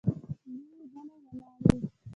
زوی يې غلی ولاړ و.